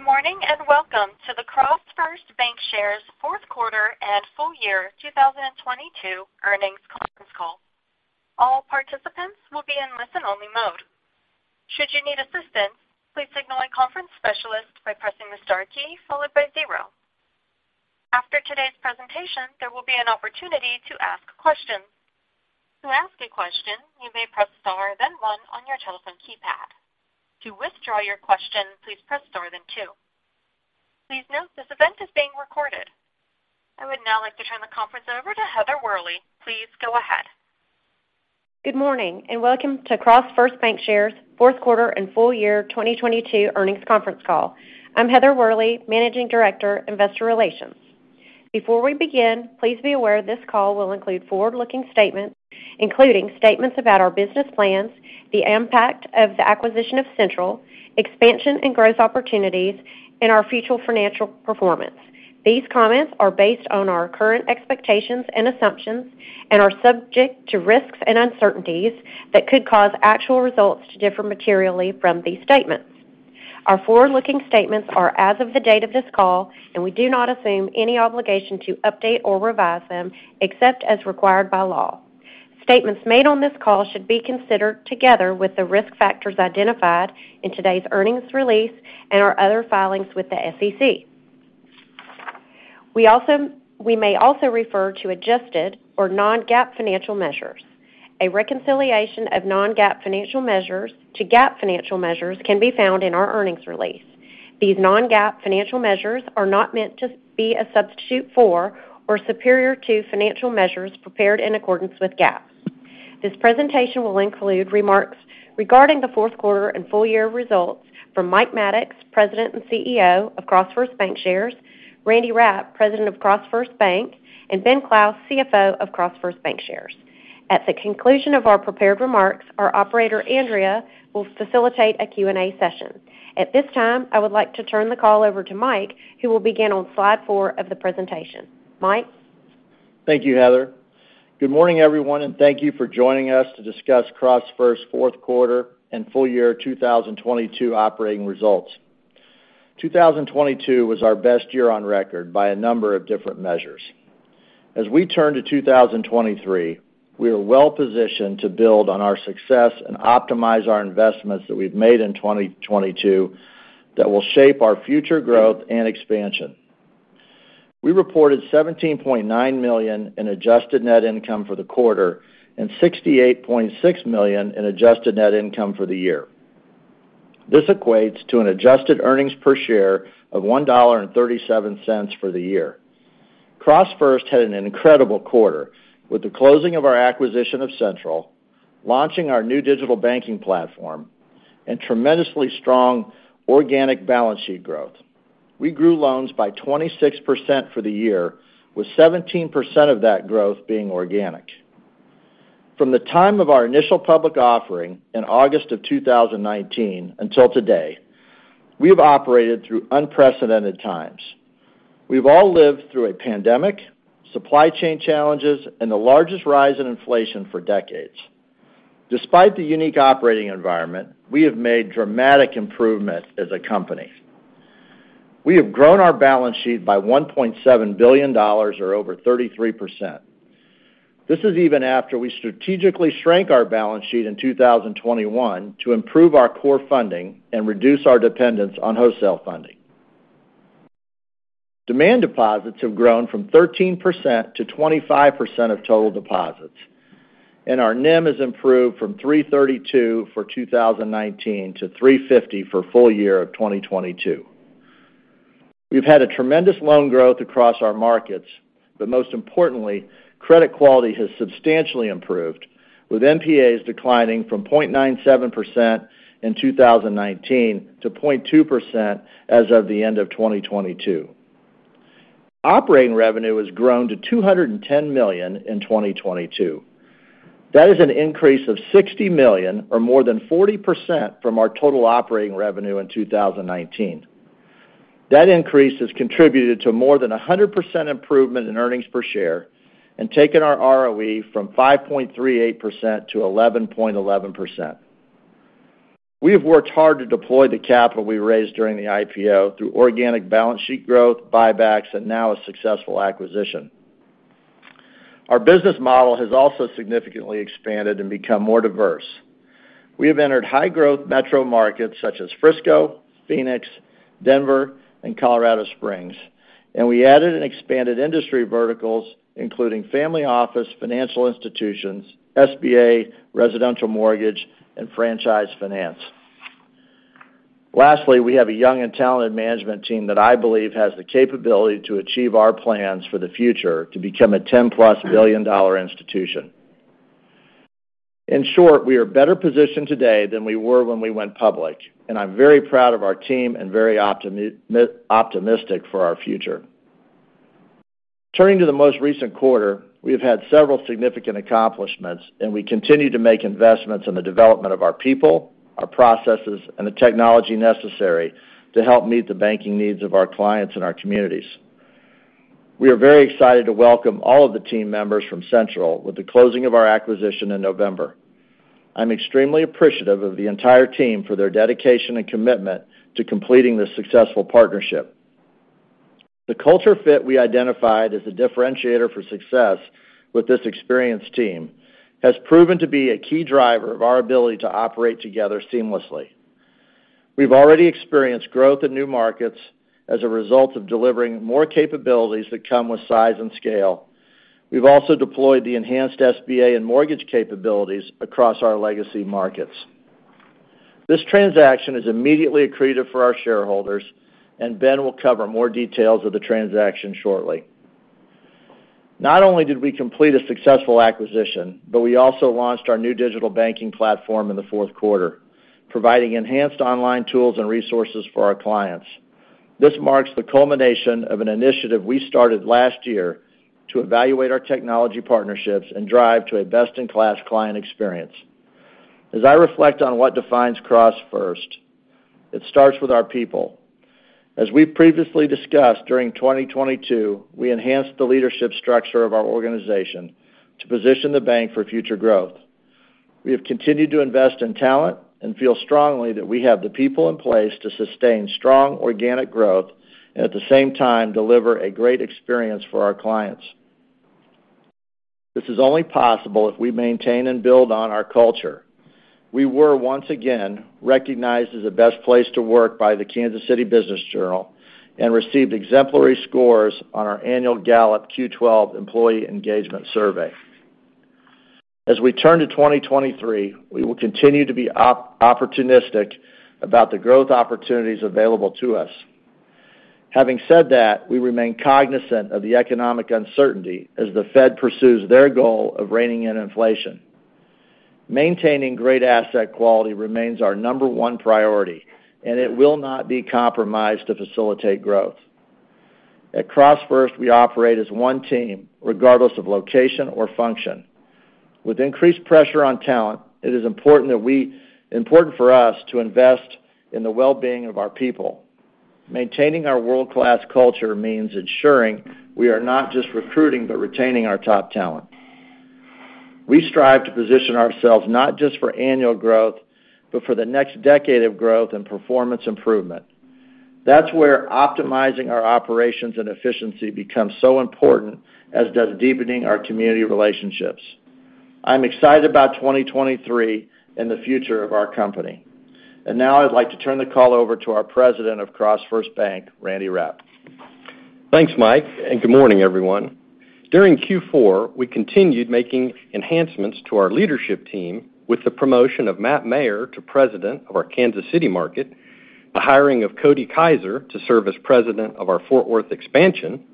Good morning, and welcome to the CrossFirst Bankshares, Inc. Fourth Quarter and Full Year 2022 Earnings Conference Call. All participants will be in listen-only mode. Should you need assistance, please signal a conference specialist by pressing the star key followed by 0. After today's presentation, there will be an opportunity to ask questions. To ask a question, you may press star, then 1 on your telephone keypad. To withdraw your question, please press star, then 2. Please note this event is being recorded. I would now like to turn the conference over to Heather Worley. Please go ahead. Good morning, welcome to CrossFirst Bankshares Fourth Quarter and Full Year 2022 Earnings Conference Call. I'm Heather Worley, Managing Director, Investor Relations. Before we begin, please be aware this call will include forward-looking statements, including statements about our business plans, the impact of the acquisition of Central, expansion and growth opportunities, and our future financial performance. These comments are based on our current expectations and assumptions and are subject to risks and uncertainties that could cause actual results to differ materially from these statements. Our forward-looking statements are as of the date of this call, we do not assume any obligation to update or revise them except as required by law. Statements made on this call should be considered together with the risk factors identified in today's earnings release and our other filings with the SEC. We may also refer to adjusted or non-GAAP financial measures. A reconciliation of non-GAAP financial measures to GAAP financial measures can be found in our earnings release. These non-GAAP financial measures are not meant to be a substitute for or superior to financial measures prepared in accordance with GAAP. This presentation will include remarks regarding the fourth quarter and full year results from Mike Maddox, President and CEO of CrossFirst Bankshares, Randy Rapp, President of CrossFirst Bank, and Ben Clouse, CFO of CrossFirst Bankshares. At the conclusion of our prepared remarks, our operator, Andrea, will facilitate a Q&A session. This time, I would like to turn the call over to Mike, who will begin on slide 4 of the presentation. Mike? Thank you, Heather. Good morning, everyone, and thank you for joining us to discuss CrossFirst fourth quarter and full year 2022 operating results. 2022 was our best year on record by a number of different measures. As we turn to 2023, we are well-positioned to build on our success and optimize our investments that we've made in 2022 that will shape our future growth and expansion. We reported $17.9 million in adjusted net income for the quarter and $68.6 million in adjusted net income for the year. This equates to an adjusted earnings per share of $1.37 for the year. CrossFirst had an incredible quarter with the closing of our acquisition of Central, launching our new digital banking platform, and tremendously strong organic balance sheet growth. We grew loans by 26% for the year, with 17% of that growth being organic. From the time of our initial public offering in August of 2019 until today, we have operated through unprecedented times. We've all lived through a pandemic, supply chain challenges, and the largest rise in inflation for decades. Despite the unique operating environment, we have made dramatic improvements as a company. We have grown our balance sheet by $1.7 billion or over 33%. This is even after we strategically shrank our balance sheet in 2021 to improve our core funding and reduce our dependence on wholesale funding. Demand deposits have grown from 13%-25% of total deposits, and our NIM has improved from 3.32 for 2019 to 3.50 for full year of 2022. We've had a tremendous loan growth across our markets, most importantly, credit quality has substantially improved, with NPAs declining from 0.97% in 2019 to 0.2% as of the end of 2022. Operating revenue has grown to $210 million in 2022. That is an increase of $60 million or more than 40% from our total operating revenue in 2019. That increase has contributed to more than 100% improvement in earnings per share and taken our ROE from 5.38%-11.11%. We have worked hard to deploy the capital we raised during the IPO through organic balance sheet growth, buybacks, and now a successful acquisition. Our business model has also significantly expanded and become more diverse. We have entered high-growth metro markets such as Frisco, Phoenix, Denver, and Colorado Springs, and we added and expanded industry verticals, including family office, financial institutions, SBA, residential mortgage, and franchise finance. Lastly, we have a young and talented management team that I believe has the capability to achieve our plans for the future to become a 10-plus billion-dollar institution. In short, we are better positioned today than we were when we went public, and I'm very proud of our team and very optimistic for our future. Turning to the most recent quarter, we have had several significant accomplishments, and we continue to make investments in the development of our people, our processes, and the technology necessary to help meet the banking needs of our clients and our communities. We are very excited to welcome all of the team members from Central with the closing of our acquisition in November. I'm extremely appreciative of the entire team for their dedication and commitment to completing this successful partnership. The culture fit we identified as a differentiator for success with this experienced team has proven to be a key driver of our ability to operate together seamlessly. We've already experienced growth in new markets as a result of delivering more capabilities that come with size and scale. We've also deployed the enhanced SBA and mortgage capabilities across our legacy markets. This transaction is immediately accretive for our shareholders, and Ben will cover more details of the transaction shortly. Not only did we complete a successful acquisition, but we also launched our new digital banking platform in the fourth quarter, providing enhanced online tools and resources for our clients. This marks the culmination of an initiative we started last year to evaluate our technology partnerships and drive to a best-in-class client experience. As I reflect on what defines CrossFirst, it starts with our people. As we previously discussed during 2022, we enhanced the leadership structure of our organization to position the bank for future growth. We have continued to invest in talent and feel strongly that we have the people in place to sustain strong organic growth and at the same time, deliver a great experience for our clients. This is only possible if we maintain and build on our culture. We were once again recognized as the Best Place to Work by the Kansas City Business Journal and received exemplary scores on our annual Gallup Q12 Employee Engagement Survey. As we turn to 2023, we will continue to be opportunistic about the growth opportunities available to us. Having said that, we remain cognizant of the economic uncertainty as the Fed pursues their goal of reining in inflation. Maintaining great asset quality remains our number one priority, and it will not be compromised to facilitate growth. At CrossFirst, we operate as one team, regardless of location or function. With increased pressure on talent, it is important for us to invest in the well-being of our people. Maintaining our world-class culture means ensuring we are not just recruiting but retaining our top talent. We strive to position ourselves not just for annual growth, but for the next decade of growth and performance improvement. That's where optimizing our operations and efficiency becomes so important, as does deepening our community relationships. I'm excited about 2023 and the future of our company. Now I'd like to turn the call over to our President of CrossFirst Bank, Randy Rapp. Thanks, Mike, and good morning, everyone. During Q4, we continued making enhancements to our leadership team with the promotion of Matt Mayer to President of our Kansas City market, the hiring of Cody Kiser to serve as President of our Fort Worth expansion,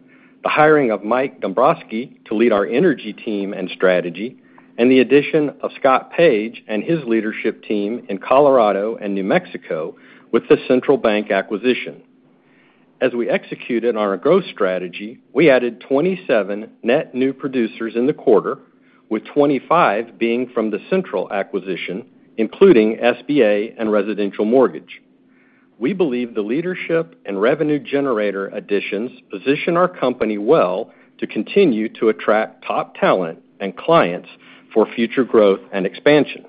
the hiring of Mike Dombroski to lead our Energy team and Strategy, and the addition of Scott Page and his leadership team in Colorado and New Mexico with the Central Bank acquisition. As we executed on our growth strategy, we added 27 net new producers in the quarter, with 25 being from the Central acquisition, including SBA and residential mortgage. We believe the leadership and revenue generator additions position our company well to continue to attract top talent and clients for future growth and expansion.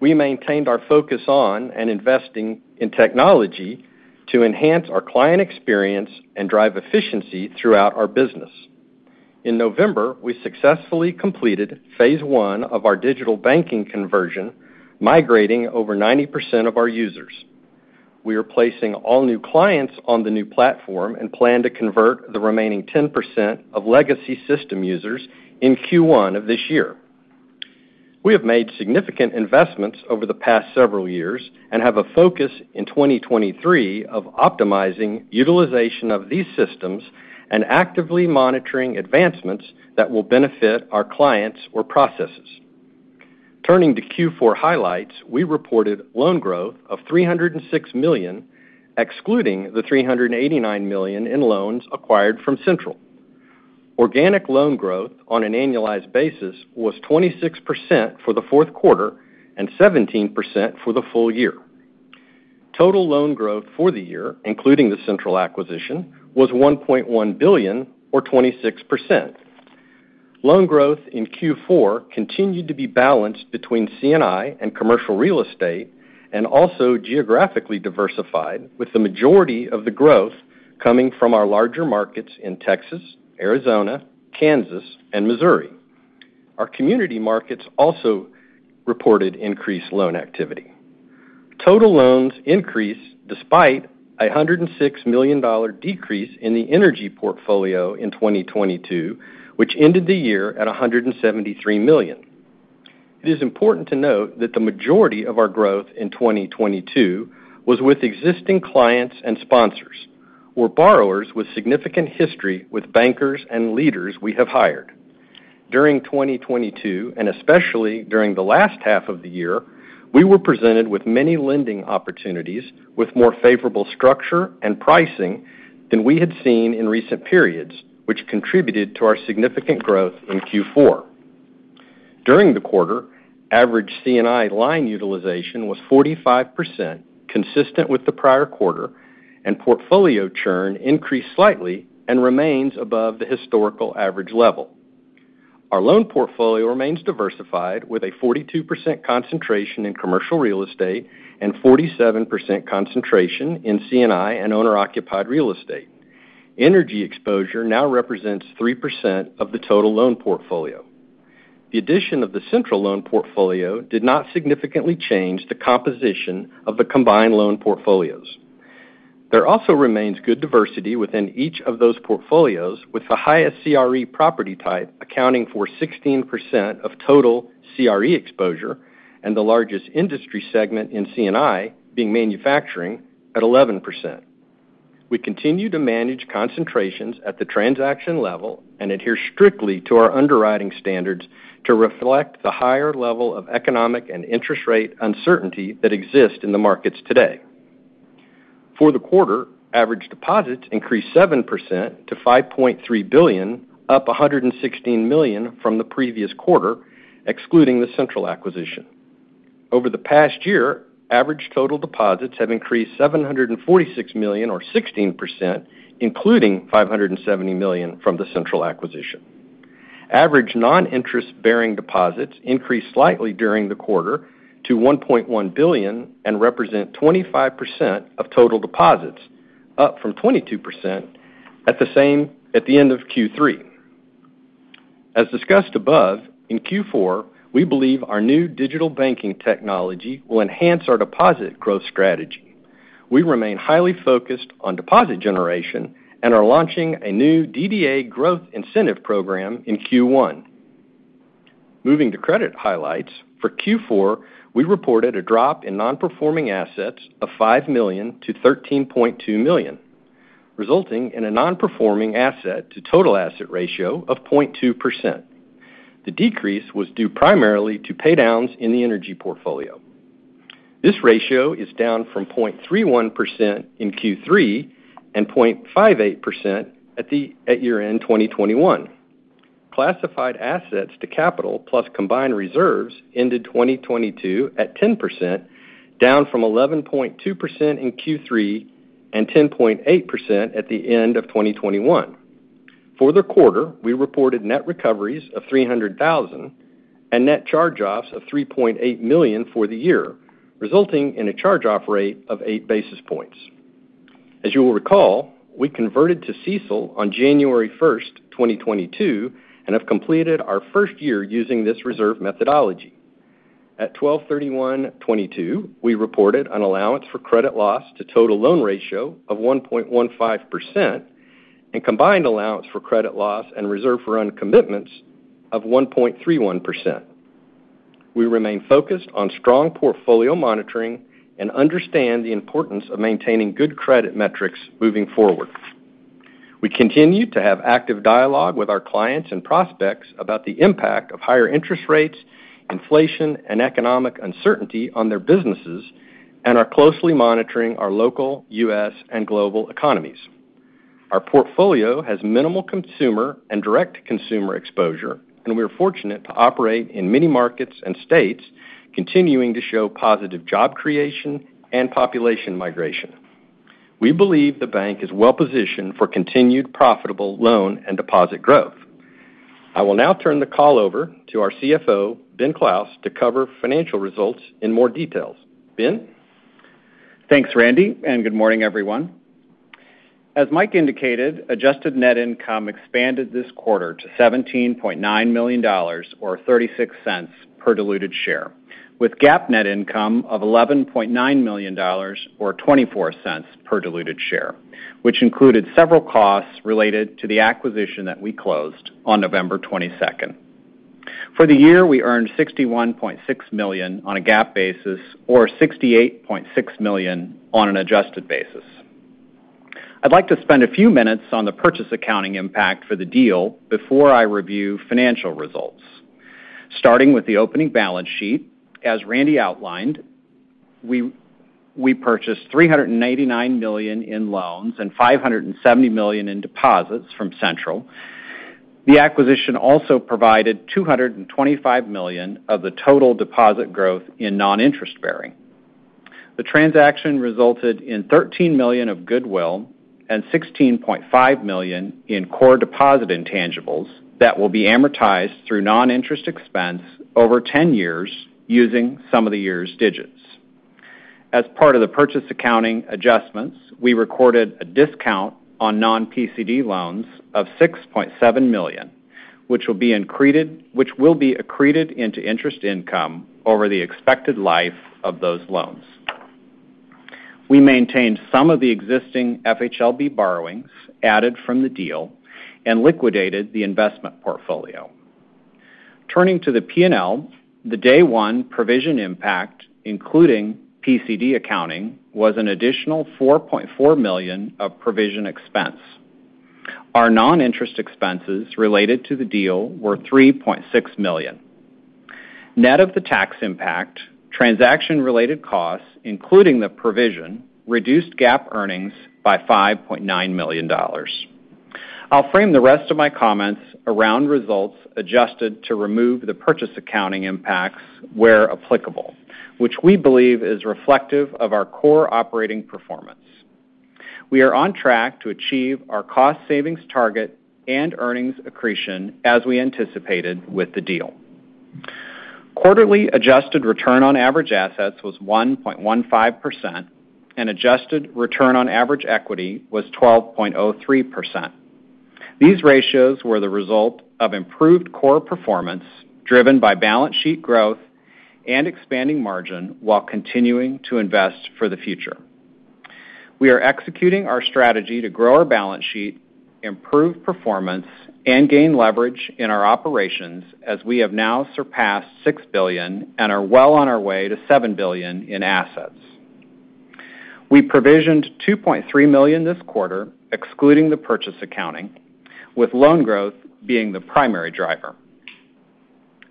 We maintained our focus on and investing in technology to enhance our client experience and drive efficiency throughout our business. In November, we successfully completed phase I of our digital banking conversion, migrating over 90% of our users. We are placing all new clients on the new platform and plan to convert the remaining 10% of legacy system users in Q1 of this year. We have made significant investments over the past several years and have a focus in 2023 of optimizing utilization of these systems and actively monitoring advancements that will benefit our clients or processes. Turning to Q4 highlights, we reported loan growth of $306 million, excluding the $389 million in loans acquired from Central. Organic loan growth on an annualized basis was 26% for the fourth quarter and 17% for the full year. Total loan growth for the year, including the Central acquisition, was $1.1 billion or 26%. Loan growth in Q4 continued to be balanced between C&I and commercial real estate and also geographically diversified, with the majority of the growth coming from our larger markets in Texas, Arizona, Kansas, and Missouri. Our community markets also reported increased loan activity. Total loans increased despite a $106 million decrease in the energy portfolio in 2022, which ended the year at $173 million. It is important to note that the majority of our growth in 2022 was with existing clients and sponsors, or borrowers with significant history with bankers and leaders we have hired. During 2022, and especially during the last half of the year, we were presented with many lending opportunities with more favorable structure and pricing than we had seen in recent periods, which contributed to our significant growth in Q4. During the quarter, average C&I line utilization was 45%, consistent with the prior quarter, and portfolio churn increased slightly and remains above the historical average level. Our loan portfolio remains diversified with a 42% concentration in commercial real estate and 47% concentration in C&I and owner-occupied real estate. Energy exposure now represents 3% of the total loan portfolio. The addition of the Central loan portfolio did not significantly change the composition of the combined loan portfolios. There also remains good diversity within each of those portfolios, with the highest CRE property type accounting for 16% of total CRE exposure and the largest industry segment in C&I being manufacturing at 11%. We continue to manage concentrations at the transaction level and adhere strictly to our underwriting standards to reflect the higher level of economic and interest rate uncertainty that exists in the markets today. For the quarter, average deposits increased 7% to $5.3 billion, up $116 million from the previous quarter, excluding the Central acquisition. Over the past year, average total deposits have increased $746 million or 16%, including $570 million from the Central acquisition. Average non-interest-bearing deposits increased slightly during the quarter to $1.1 billion and represent 25% of total deposits, up from 22% at the end of Q3. As discussed above, in Q4, we believe our new digital banking technology will enhance our deposit growth strategy. We remain highly focused on deposit generation and are launching a new DDA growth incentive program in Q1. Moving to credit highlights. For Q4, we reported a drop in non-performing assets of $5 million to $13.2 million, resulting in a non-performing asset to total asset ratio of 0.2%. The decrease was due primarily to paydowns in the energy portfolio. This ratio is down from 0.31% in Q3 and 0.58% at year-end 2021. Classified assets to capital plus combined reserves ended 2022 at 10%, down from 11.2% in Q3 and 10.8% at the end of 2021. For the quarter, we reported net recoveries of $300,000 and net charge-offs of $3.8 million for the year, resulting in a charge-off rate of 8 basis points. As you will recall, we converted to CECL on January 1st, 2022, and have completed our first year using this reserve methodology. At 12/31/2022, we reported an allowance for credit loss to total loan ratio of 1.15% and combined allowance for credit loss and reserve for uncommitments of 1.31%. We remain focused on strong portfolio monitoring and understand the importance of maintaining good credit metrics moving forward. We continue to have active dialogue with our clients and prospects about the impact of higher interest rates, inflation, and economic uncertainty on their businesses and are closely monitoring our local U.S. and global economies. Our portfolio has minimal consumer and direct consumer exposure, and we are fortunate to operate in many markets and states, continuing to show positive job creation and population migration. We believe the bank is well-positioned for continued profitable loan and deposit growth. I will now turn the call over to our CFO, Ben Clouse, to cover financial results in more details. Ben? Thanks, Randy. Good morning, everyone. As Mike indicated, adjusted net income expanded this quarter to $17.9 million or $0.36 per diluted share, with GAAP net income of $11.9 million or $0.24 per diluted share, which included several costs related to the acquisition that we closed on November 22nd. For the year, we earned $61.6 million on a GAAP basis or $68.6 million on an adjusted basis. I'd like to spend a few minutes on the purchase accounting impact for the deal before I review financial results. Starting with the opening balance sheet, as Randy outlined, we purchased $389 million in loans and $570 million in deposits from Central. The acquisition also provided $225 million of the total deposit growth in non-interest bearing. The transaction resulted in $13 million of goodwill and $16.5 million in core deposit intangibles that will be amortized through non-interest expense over 10 years using sum-of-the-years'-digits. As part of the purchase accounting adjustments, we recorded a discount on non-PCD loans of $6.7 million, which will be accreted into interest income over the expected life of those loans. We maintained some of the existing FHLB borrowings added from the deal and liquidated the investment portfolio. Turning to the P&L, the day one provision impact, including PCD accounting, was an additional $4.4 million of provision expense. Our non-interest expenses related to the deal were $3.6 million. Net of the tax impact, transaction-related costs, including the provision, reduced GAAP earnings by $5.9 million. I'll frame the rest of my comments around results adjusted to remove the purchase accounting impacts where applicable, which we believe is reflective of our core operating performance. We are on track to achieve our cost savings target and earnings accretion as we anticipated with the deal. Quarterly adjusted return on average assets was 1.15%, and adjusted return on average equity was 12.03%. These ratios were the result of improved core performance, driven by balance sheet growth and expanding margin while continuing to invest for the future. We are executing our strategy to grow our balance sheet, improve performance, and gain leverage in our operations as we have now surpassed $6 billion and are well on our way to $7 billion in assets. We provisioned $2.3 million this quarter, excluding the purchase accounting, with loan growth being the primary driver.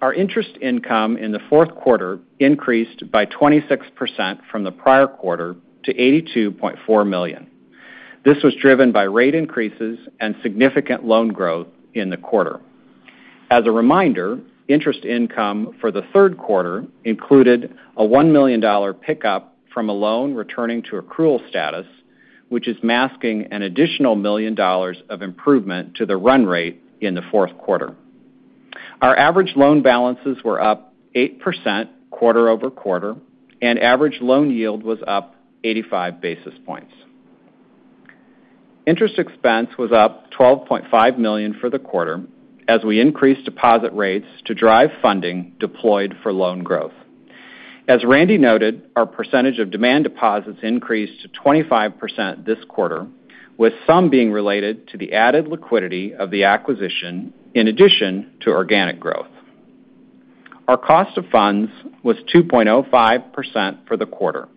Our interest income in the fourth quarter increased by 26% from the prior quarter to $82.4 million. This was driven by rate increases and significant loan growth in the quarter. As a reminder, interest income for the third quarter included a $1 million pickup from a loan returning to accrual status, which is masking an additional $1 million of improvement to the run rate in the fourth quarter. Our average loan balances were up 8% quarter-over-quarter, and average loan yield was up 85 basis points. Interest expense was up $12.5 million for the quarter as we increased deposit rates to drive funding deployed for loan growth. As Randy noted, our percentage of demand deposits increased to 25% this quarter, with some being related to the added liquidity of the acquisition in addition to organic growth. Our cost of funds was 2.05% for the quarter.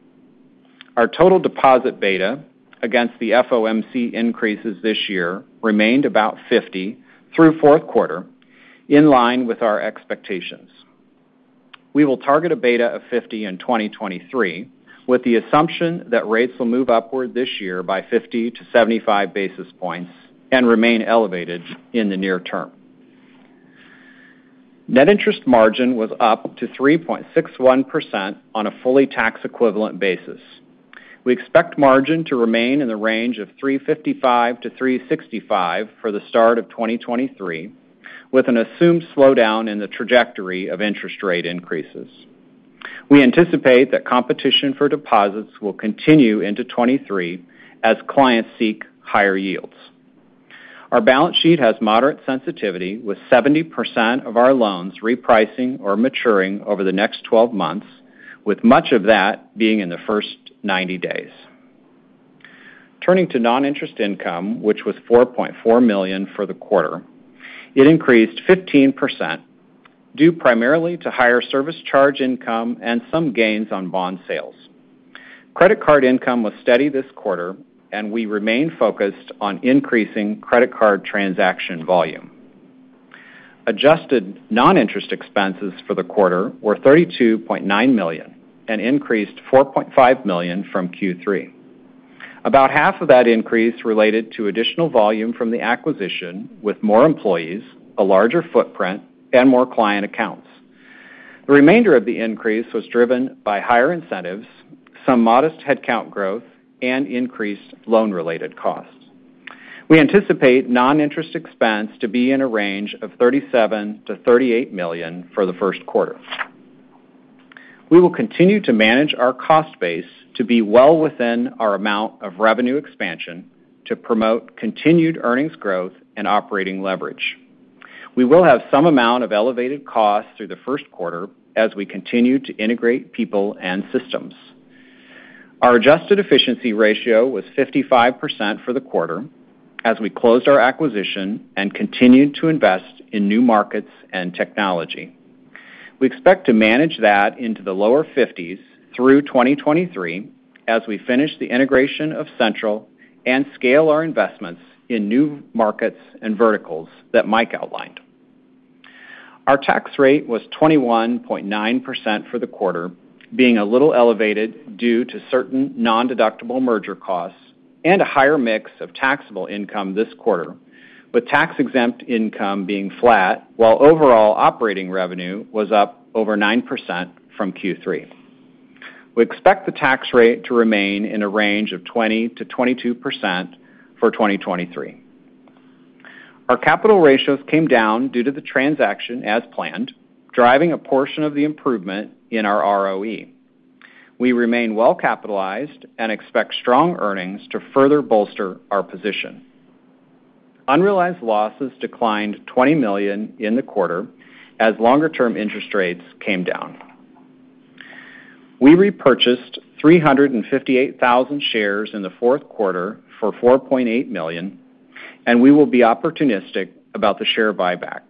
Our total deposit beta against the FOMC increases this year remained about 50 through Q4, in line with our expectations. We will target a beta of 50 in 2023, with the assumption that rates will move upward this year by 50-75 basis points and remain elevated in the near term. Net interest margin was up to 3.61% on a fully tax equivalent basis. We expect margin to remain in the range of 3.55%-3.65% for the start of 2023, with an assumed slowdown in the trajectory of interest rate increases. We anticipate that competition for deposits will continue into '23 as clients seek higher yields. Our balance sheet has moderate sensitivity, with 70% of our loans repricing or maturing over the next 12 months, with much of that being in the first 90 days. Turning to non-interest income, which was $4.4 million for the quarter. It increased 15%, due primarily to higher service charge income and some gains on bond sales. Credit card income was steady this quarter. We remain focused on increasing credit card transaction volume. Adjusted non-interest expenses for the quarter were $32.9 million and increased $4.5 million from Q3. About half of that increase related to additional volume from the acquisition with more employees, a larger footprint, and more client accounts. The remainder of the increase was driven by higher incentives, some modest headcount growth, and increased loan-related costs. We anticipate non-interest expense to be in a range of $37 million-$38 million for the first quarter. We will continue to manage our cost base to be well within our amount of revenue expansion to promote continued earnings growth and operating leverage. We will have some amount of elevated costs through the first quarter as we continue to integrate people and systems. Our adjusted efficiency ratio was 55% for the quarter as we closed our acquisition and continued to invest in new markets and technology. We expect to manage that into the lower 50s through 2023 as we finish the integration of Central and scale our investments in new markets and verticals that Mike outlined. Our tax rate was 21.9% for the quarter, being a little elevated due to certain nondeductible merger costs and a higher mix of taxable income this quarter, with tax-exempt income being flat while overall operating revenue was up over 9% from Q3. We expect the tax rate to remain in a range of 20%-22% for 2023. Our capital ratios came down due to the transaction as planned, driving a portion of the improvement in our ROE. We remain well-capitalized and expect strong earnings to further bolster our position. Unrealized losses declined $20 million in the quarter as longer-term interest rates came down. We repurchased 358,000 shares in the fourth quarter for $4.8 million, and we will be opportunistic about the share buyback.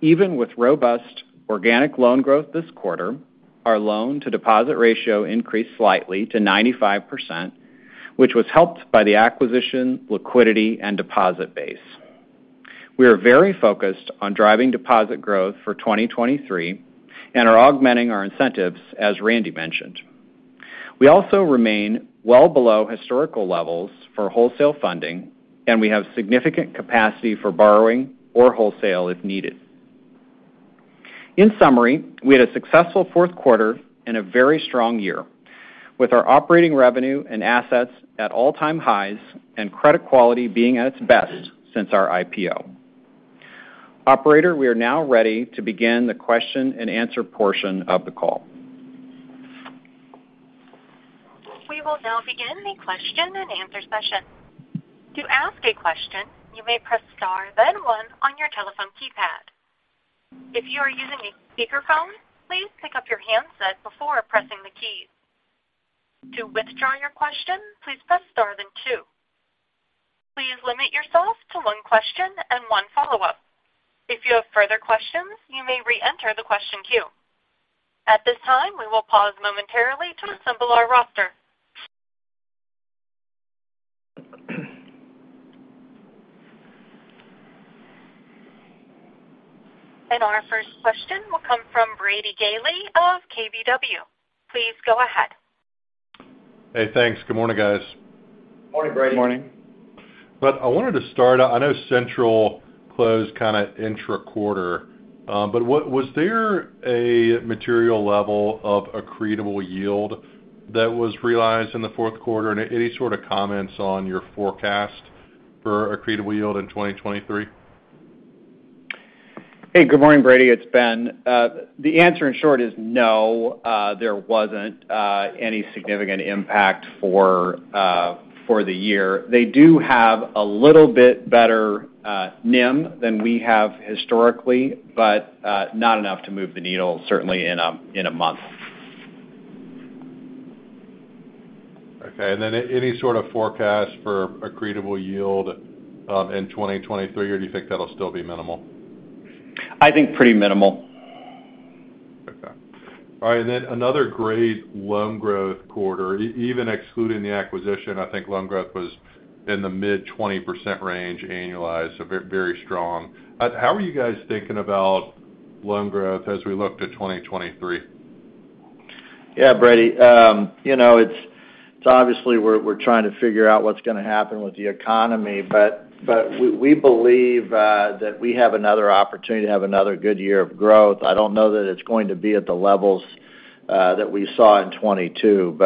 Even with robust organic loan growth this quarter, our loan-to-deposit ratio increased slightly to 95%, which was helped by the acquisition, liquidity, and deposit base. We are very focused on driving deposit growth for 2023 and are augmenting our incentives, as Randy mentioned. We also remain well below historical levels for wholesale funding, and we have significant capacity for borrowing or wholesale if needed. In summary, we had a successful fourth quarter and a very strong year, with our operating revenue and assets at all-time highs and credit quality being at its best since our IPO. Operator, we are now ready to begin the question-and-answer portion of the call. We will now begin the question-and-answer session. To ask a question, you may press star then 1 on your telephone keypad. If you are using a speakerphone, please pick up your handset before pressing the keys. To withdraw your question, please press star then 2. Please limit yourself to one question and one follow-up. If you have further questions, you may reenter the question queue. At this time, we will pause momentarily to assemble our roster. Our first question will come from Brady Gailey of KBW. Please go ahead. Hey, thanks. Good morning, guys. Morning, Brady. Morning. I wanted to start. I know Central closed kind of intra-quarter. Was there a material level of accretable yield that was realized in the fourth quarter? Any sort of comments on your forecast for accretable yield in 2023? Hey, good morning, Brady. It's Ben. The answer in short is no, there wasn't any significant impact for the year. They do have a little bit better NIM than we have historically, but not enough to move the needle, certainly in a in a month. Okay. Then any sort of forecast for accretable yield in 2023 or do you think that'll still be minimal? I think pretty minimal. Okay. All right, another great loan growth quarter. Even excluding the acquisition, I think loan growth was in the mid-20% range annualized, so very strong. How are you guys thinking about loan growth as we look to 2023? Yeah, Brady, you know, it's obviously we're trying to figure out what's gonna happen with the economy. We believe that we have another opportunity to have another good year of growth. I don't know that it's going to be at the levels that we saw in 2022.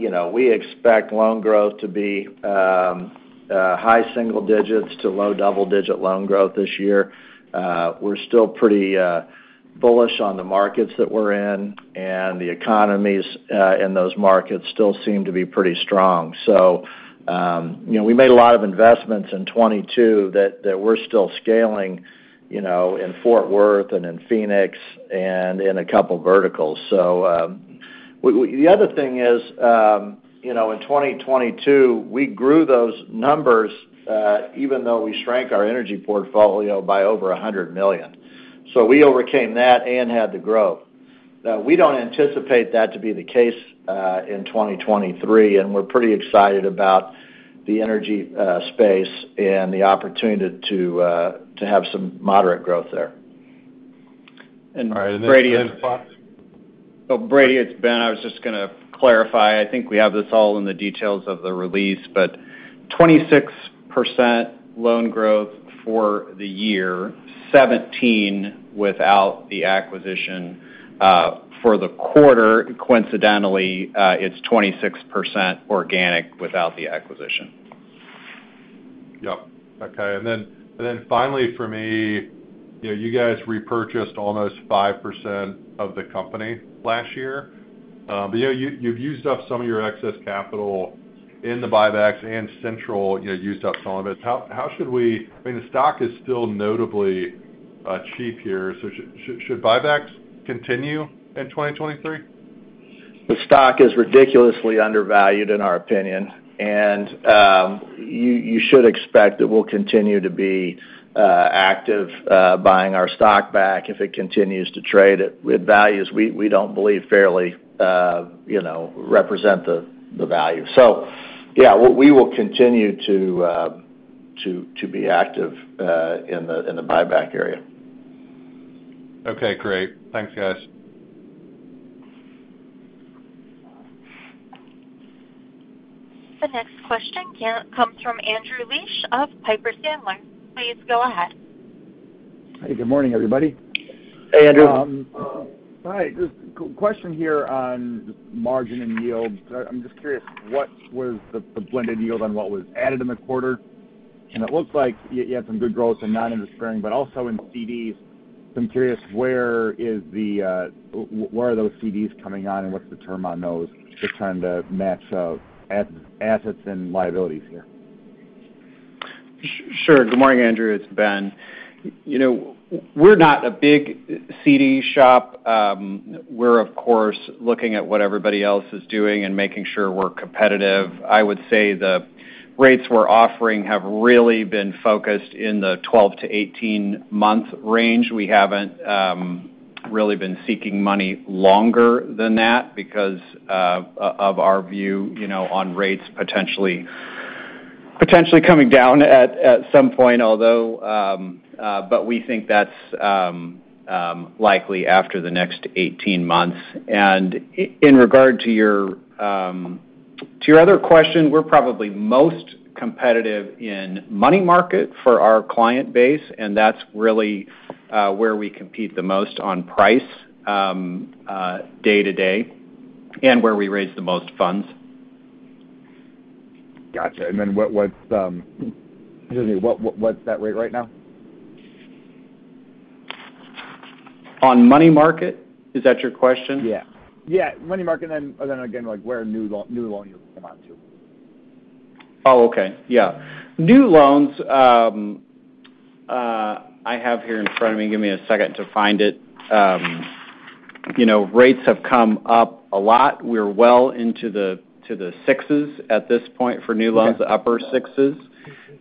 You know, we expect loan growth to be high single digits to low double-digit loan growth this year. We're still pretty bullish on the markets that we're in, and the economies in those markets still seem to be pretty strong. You know, we made a lot of investments in 2022 that we're still scaling, you know, in Fort Worth and in Phoenix and in a couple verticals. The other thing is, you know, in 2022, we grew those numbers, even though we shrank our energy portfolio by over $100 million. We overcame that and had the growth. Now we don't anticipate that to be the case, in 2023. We're pretty excited about the energy space and the opportunity to have some moderate growth there. All right. Oh, Brady, it's Ben. I was just gonna clarify. I think we have this all in the details of the release, but 26% loan growth for the year, 17% without the acquisition. For the quarter, coincidentally, it's 26% organic without the acquisition. Yep. Okay. Then, finally for me, you know, you guys repurchased almost 5% of the company last year. You know, you've used up some of your excess capital in the buybacks and Central, you know, used up some of it. I mean, the stock is still notably, cheap here, so should buybacks continue in 2023? The stock is ridiculously undervalued in our opinion, and you should expect that we'll continue to be active buying our stock back if it continues to trade at values we don't believe fairly, you know, represent the value. Yeah, we will continue to be active in the buyback area. Okay, great. Thanks, guys. The next question comes from Andrew Liesch of Piper Sandler. Please go ahead. Hey, good morning, everybody. Hey, Andrew. Hi. Just a question here on margin and yield. I'm just curious, what was the blended yield on what was added in the quarter? It looks like you had some good growth in non-interest bearing but also in CDs. I'm curious, where are those CDs coming on and what's the term on those? Just trying to match up assets and liabilities here. Sure. Good morning, Andrew. It's Ben. You know, we're not a big CD shop. We're of course looking at what everybody else is doing and making sure we're competitive. I would say the rates we're offering have really been focused in the 12-18 month range. We haven't really been seeking money longer than that because of our view, you know, on rates potentially coming down at some point, although, but we think that's likely after the next 18 months. In regard to your other question, we're probably most competitive in money market for our client base, and that's really where we compete the most on price day to day and where we raise the most funds. Gotcha. Then what's, excuse me, what's that rate right now? On money market? Is that your question? Yeah, money market, and then again, like, where new loan yields come out to. Okay. New loans, I have here in front of me. Give me a second to find it. You know, rates have come up a lot. We're well into the sixes at this point for new loans. Okay. Upper sixes.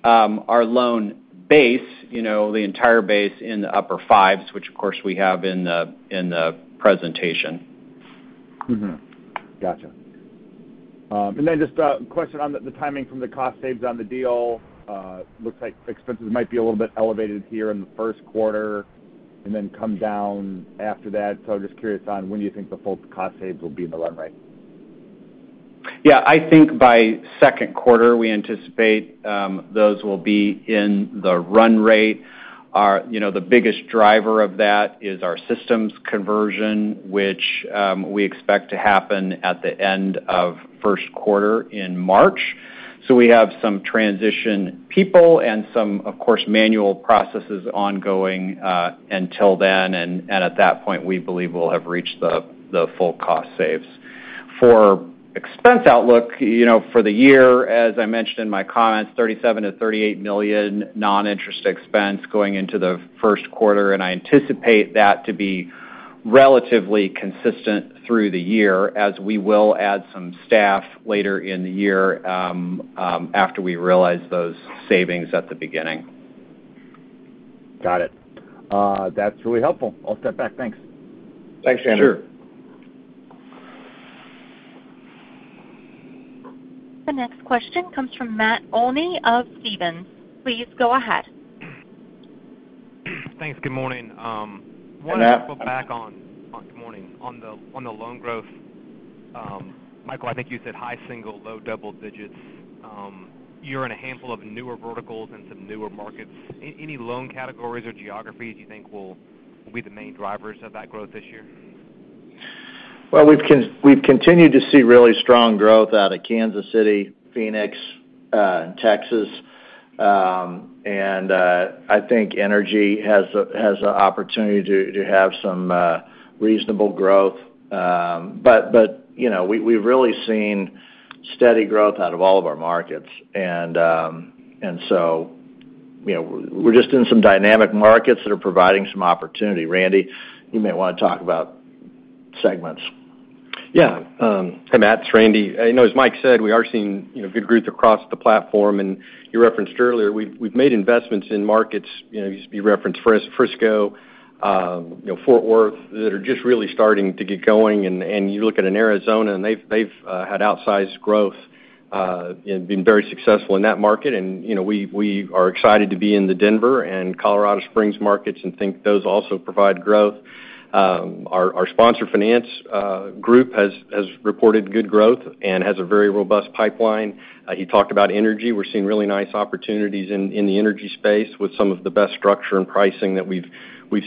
Our loan base, you know, the entire base in the upper fives, which of course, we have in the, in the presentation. Gotcha. Just a question on the timing from the cost saves on the deal. Looks like expenses might be a little bit elevated here in the first quarter and then come down after that. Just curious on when you think the full cost saves will be in the run rate. Yeah. I think by second quarter, we anticipate, those will be in the run rate. You know, the biggest driver of that is our systems conversion, which, we expect to happen at the end of first quarter in March. We have some transition people and some, of course, manual processes ongoing, until then. At that point, we believe we'll have reached the full cost saves. For expense outlook, you know, for the year, as I mentioned in my comments, $37 million-$38 million non-interest expense going into the first quarter. I anticipate that to be relatively consistent through the year as we will add some staff later in the year, after we realize those savings at the beginning. Got it. That's really helpful. I'll step back. Thanks. Thanks, Andy. Sure. The next question comes from Matt Olney of Stephens. Please go ahead. Thanks. Good morning. Good afternoon. Good morning. On the loan growth, Michael, I think you said high single, low double digits. You're in a handful of newer verticals and some newer markets. Any loan categories or geographies you think will be the main drivers of that growth this year? Well, we've continued to see really strong growth out of Kansas City, Phoenix, and Texas. I think energy has an opportunity to have some reasonable growth. But, you know, we've really seen steady growth out of all of our markets. You know, we're just in some dynamic markets that are providing some opportunity. Randy, you may wanna talk about segments. Yeah. Hi, Matt, it's Randy. You know, as Mike said, we are seeing, you know, good growth across the platform. You referenced earlier, we've made investments in markets, you know, you referenced Frisco, you know, Fort Worth, that are just really starting to get going. You look at an Arizona, they've had outsized growth and been very successful in that market. You know, we are excited to be in the Denver and Colorado Springs markets and think those also provide growth. Our sponsor finance group has reported good growth and has a very robust pipeline. He talked about energy. We're seeing really nice opportunities in the energy space with some of the best structure and pricing that we've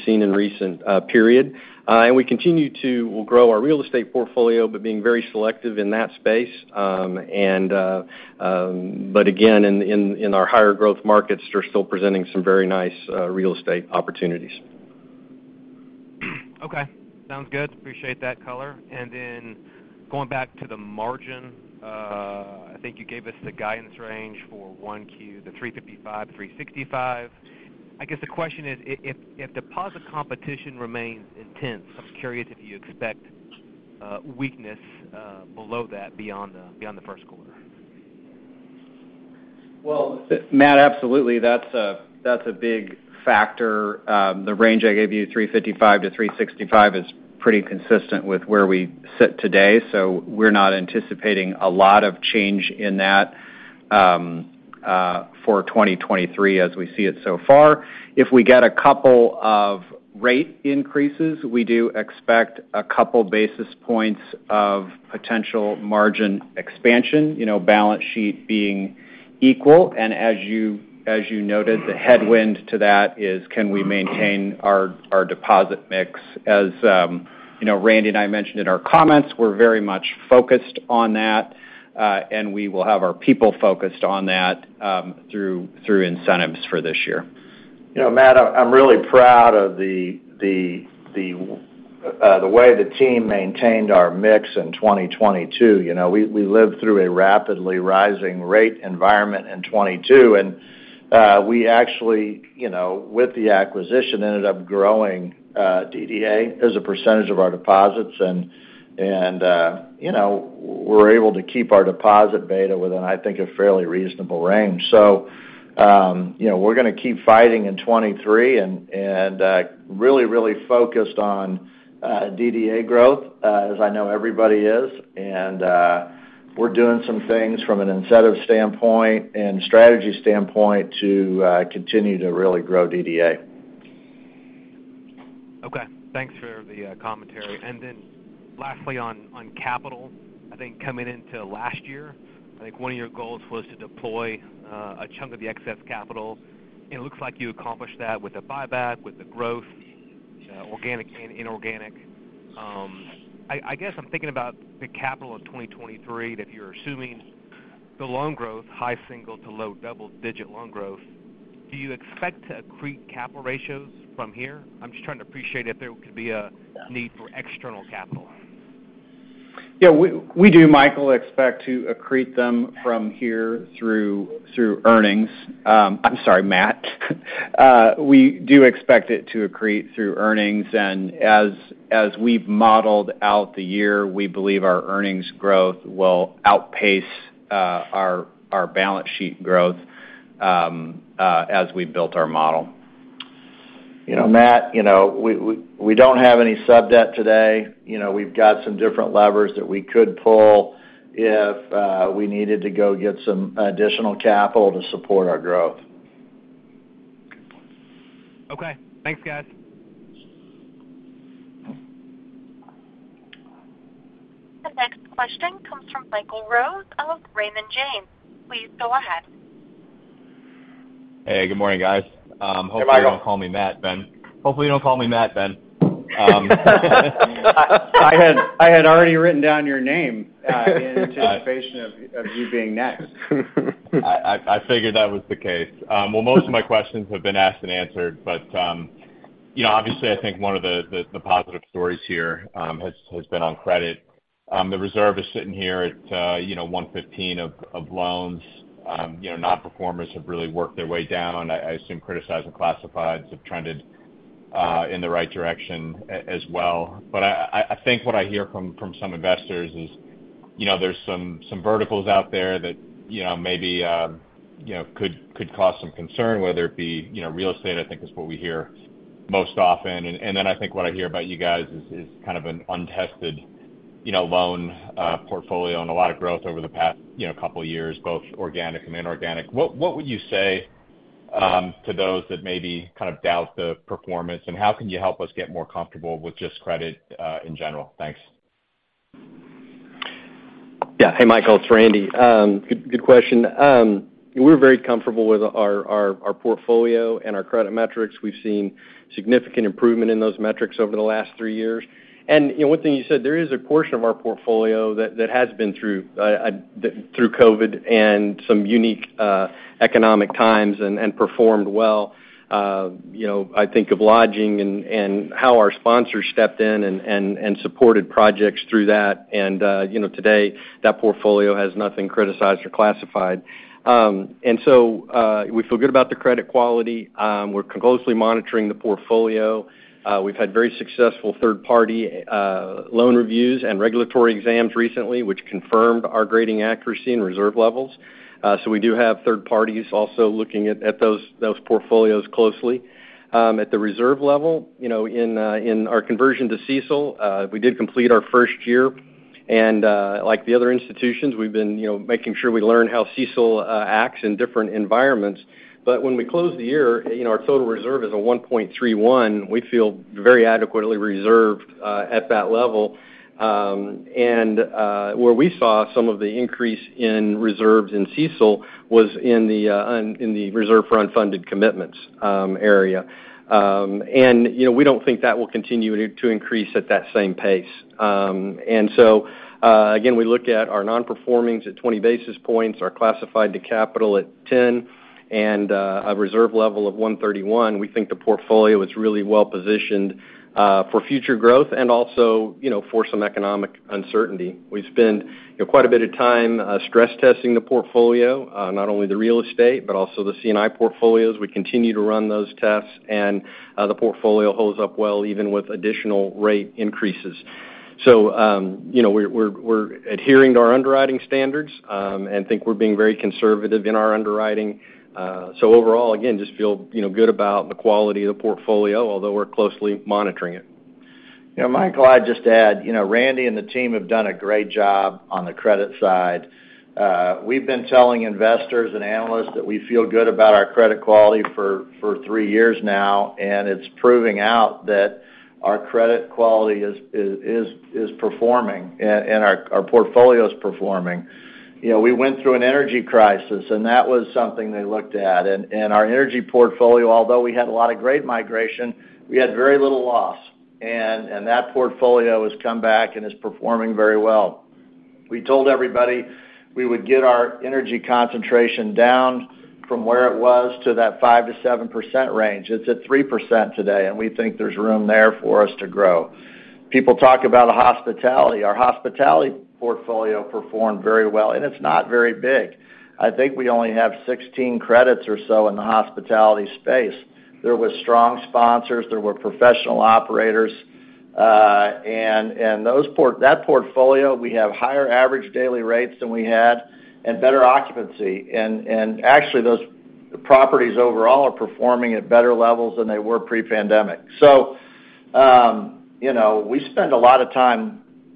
seen in recent period. We continue to grow our real estate portfolio, but being very selective in that space. And, but again, in our higher growth markets, they're still presenting some very nice, real estate opportunities. Okay. Sounds good. Appreciate that color. Going back to the margin, I think you gave us the guidance range for Q1, the 3.55%-3.65%. I guess the question is, if deposit competition remains intense, I'm curious if you expect weakness below that beyond the first quarter. Well, Matt, absolutely, that's a big factor. The range I gave you, 3.55%-3.65%, is pretty consistent with where we sit today, so we're not anticipating a lot of change in that for 2023 as we see it so far. If we get a couple of rate increases, we do expect a couple basis points of potential margin expansion, you know, balance sheet being equal. As you, as you noted, the headwind to that is can we maintain our deposit mix. As, you know, Randy and I mentioned in our comments, we're very much focused on that, and we will have our people focused on that through incentives for this year. You know, Matt, I'm really proud of the way the team maintained our mix in 2022. You know, we lived through a rapidly rising rate environment in 2022, and we actually, you know, with the acquisition, ended up growing DDA as a percentage of our deposits. You know, we're able to keep our deposit beta within, I think, a fairly reasonable range. You know, we're gonna keep fighting in 2023 and really focused on DDA growth, as I know everybody is. We're doing some things from an incentive standpoint and strategy standpoint to continue to really grow DDA. Okay. Thanks for the commentary. Lastly on capital, I think coming into last year, I think one of your goals was to deploy a chunk of the excess capital, and it looks like you accomplished that with a buyback, with the growth, organic and inorganic. I guess I'm thinking about the capital of 2023, that you're assuming the loan growth, high single to low double-digit loan growth. Do you expect to accrete capital ratios from here? I'm just trying to appreciate if there could be a need for external capital. Yeah, we do, Michael, expect to accrete them from here through earnings. I'm sorry, Matt. We do expect it to accrete through earnings. As we've modeled out the year, we believe our earnings growth will outpace our balance sheet growth as we built our model. You know, Matt, you know, we don't have any sub-debt today. You know, we've got some different levers that we could pull if we needed to go get some additional capital to support our growth. Okay. Thanks, guys. The next question comes from Michael Rose of Raymond James. Please go ahead. Hey, good morning, guys. hopefully... Hey, Michael.... you won't call me Matt, Ben. Hopefully, you don't call me Matt, Ben. I had already written down your name in anticipation of you being next. I figured that was the case. Well, most of my questions have been asked and answered, but, you know, obviously, I think one of the positive stories here, has been on credit. The reserve is sitting here at, you know, 1.15 of loans. You know, nonperformers have really worked their way down. I assume criticized and classifieds have trended in the right direction as well. I think what I hear from some investors is, there's some verticals out there that, you know, maybe, could cause some concern, whether it be, real estate, I think is what we hear most often. Then I think what I hear about you guys is kind of an untested, you know, loan portfolio and a lot of growth over the past, you know, couple years, both organic and inorganic. What would you say to those that maybe kind of doubt the performance, and how can you help us get more comfortable with just credit in general? Thanks. Yeah. Hey, Michael, it's Randy. Good question. We're very comfortable with our portfolio and our credit metrics. We've seen significant improvement in those metrics over the last three years. You know, one thing you said, there is a portion of our portfolio that has been through COVID and some unique economic times and performed well. You know, I think of lodging and how our sponsors stepped in and supported projects through that. You know, today that portfolio has nothing criticized or classified. We feel good about the credit quality. We're closely monitoring the portfolio. We've had very successful third-party loan reviews and regulatory exams recently, which confirmed our grading accuracy and reserve levels. We do have third parties also looking at those portfolios closely. At the reserve level, you know, in our conversion to CECL, we did complete our first year. Like the other institutions, we've been, you know, making sure we learn how CECL acts in different environments. When we closed the year, you know, our total reserve is a 1.31%. We feel very adequately reserved at that level. Where we saw some of the increase in reserves in CECL was in the reserve for unfunded commitments area. You know, we don't think that will continue to increase at that same pace. Again, we look at our non-performings at 20 basis points, our classified to capital at 10, and a reserve level of 131. We think the portfolio is really well positioned for future growth and also, you know, for some economic uncertainty. We spend, you know, quite a bit of time stress testing the portfolio, not only the real estate, but also the C&I portfolios. We continue to run those tests, the portfolio holds up well, even with additional rate increases. You know, we're adhering to our underwriting standards and think we're being very conservative in our underwriting. Overall, again, just feel, you know, good about the quality of the portfolio, although we're closely monitoring it. You know, Michael, I'd just add, you know, Randy and the team have done a great job on the credit side. We've been telling investors and analysts that we feel good about our credit quality for three years now, and it's proving out that our credit quality is performing and our portfolio's performing. You know, we went through an energy crisis, that was something they looked at. Our energy portfolio, although we had a lot of grade migration, we had very little loss. That portfolio has come back and is performing very well. We told everybody we would get our energy concentration down from where it was to that 5%-7% range. It's at 3% today, we think there's room there for us to grow. People talk about hospitality. Our hospitality portfolio performed very well, and it's not very big. I think we only have 16 credits or so in the hospitality space. There was strong sponsors. There were professional operators. And that portfolio, we have higher average daily rates than we had and better occupancy. Actually those properties overall are performing at better levels than they were pre-pandemic. You know, we spend a lot of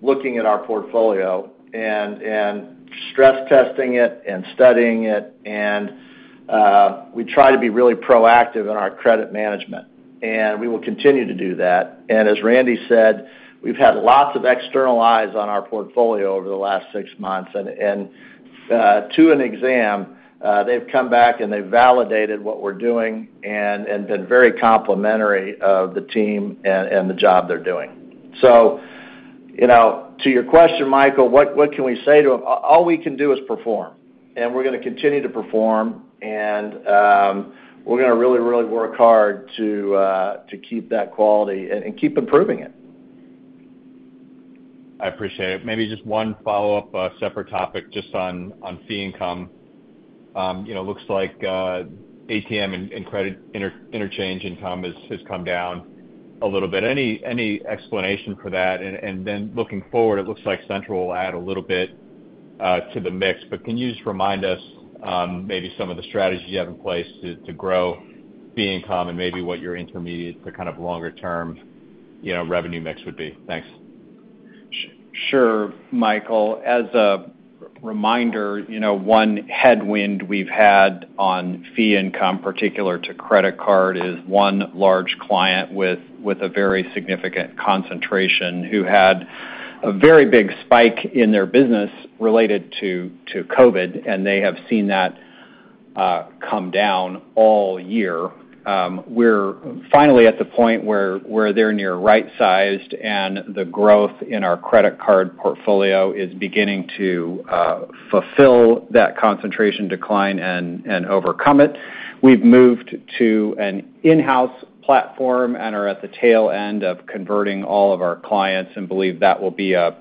time looking at our portfolio and stress testing it and studying it. We try to be really proactive in our credit management, and we will continue to do that. As Randy said, we've had lots of external eyes on our portfolio over the last six months. To an exam, they've come back and they've validated what we're doing and been very complimentary of the team and the job they're doing. You know, to your question, Michael, what can we say to them? All we can do is perform, and we're gonna continue to perform and, we're gonna really work hard to keep that quality and keep improving it. I appreciate it. Maybe just one follow-up, separate topic just on fee income. You know, looks like ATM and credit interchange income has come down a little bit. Any explanation for that? Then looking forward, it looks like Central will add a little bit to the mix, but can you just remind us, maybe some of the strategies you have in place to grow fee income and maybe what your intermediate to kind of longer term, you know, revenue mix would be? Thanks. Sure, Michael. As a reminder, you know, one headwind we've had on fee income, particular to credit card, is one large client with a very significant concentration who had a very big spike in their business related to COVID, and they have seen that come down all year. We're finally at the point where they're near right-sized, and the growth in our credit card portfolio is beginning to fulfill that concentration decline and overcome it. We've moved to an in-house platform and are at the tail end of converting all of our clients, and believe that will be an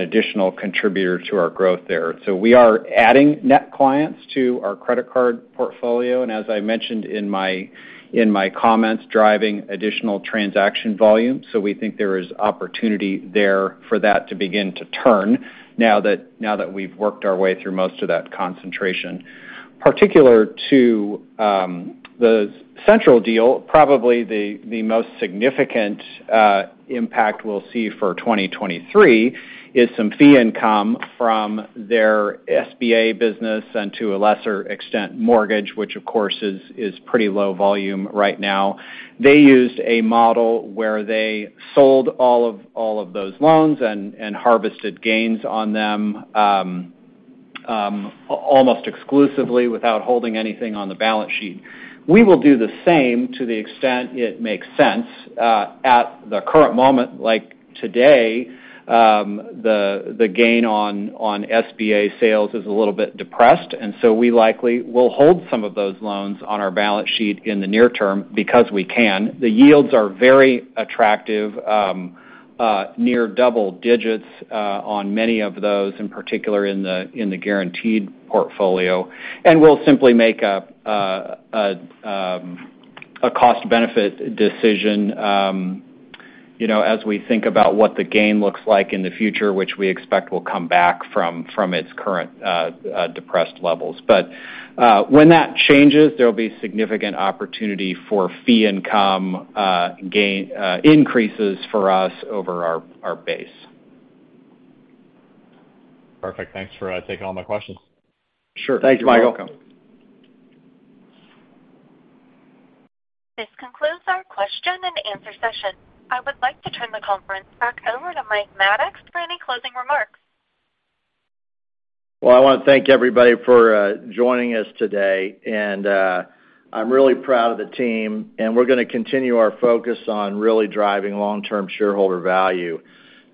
additional contributor to our growth there. We are adding net clients to our credit card portfolio, and as I mentioned in my comments, driving additional transaction volume. We think there is opportunity there for that to begin to turn now that we've worked our way through most of that concentration. Particular to the Central deal, probably the most significant impact we'll see for 2023 is some fee income from their SBA business and to a lesser extent, mortgage, which of course is pretty low volume right now. They used a model where they sold all of those loans and harvested gains on them almost exclusively without holding anything on the balance sheet. We will do the same to the extent it makes sense. At the current moment, like today, the gain on SBA sales is a little bit depressed, we likely will hold some of those loans on our balance sheet in the near term because we can. The yields are very attractive, near double digits on many of those, in particular in the guaranteed portfolio. We'll simply make up a cost benefit decision, you know, as we think about what the gain looks like in the future, which we expect will come back from its current depressed levels. When that changes, there'll be significant opportunity for fee income gain increases for us over our base. Perfect. Thanks for taking all my questions. Sure. You're welcome. Thanks, Michael. This concludes our question and answer session. I would like to turn the conference back over to Mike Maddox for any closing remarks. Well, I wanna thank everybody for joining us today. I'm really proud of the team, and we're gonna continue our focus on really driving long-term shareholder value.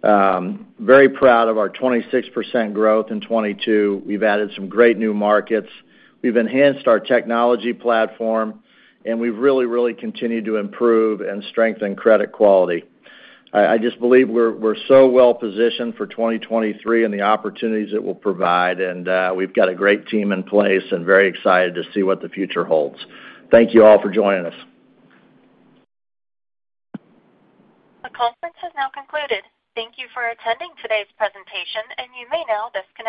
Very proud of our 26% growth in 2022. We've added some great new markets. We've enhanced our technology platform, and we've really continued to improve and strengthen credit quality. I just believe we're so well-positioned for 2023 and the opportunities it will provide, we've got a great team in place and very excited to see what the future holds. Thank you all for joining us. The conference has now concluded. Thank you for attending today's presentation, and you may now disconnect.